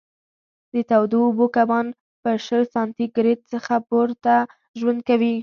د تودو اوبو کبان په شل سانتي ګرېد څخه پورته ژوند کوي.